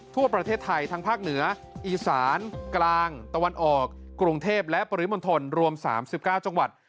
ทั่วประเทศไทยทั้งภาคเหนืออีสานกลางตะวันออกกรุงเทพและปริมณฑลรวม๓๙จังหวัด